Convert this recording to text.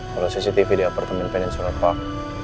kalo cctv di apartemen pendek solar park